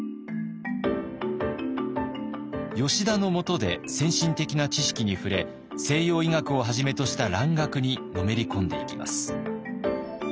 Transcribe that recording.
吉田のもとで先進的な知識に触れ西洋医学をはじめとした蘭学にのめり込んでいきます。